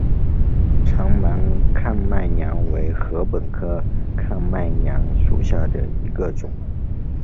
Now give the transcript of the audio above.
长芒看麦娘为禾本科看麦娘属下的一个种。